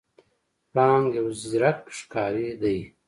پړانګ یو زیرک ښکاری دی.